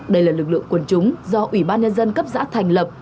đây là lực lượng quân chúng do ủy ban nhân dân cấp giã thành lập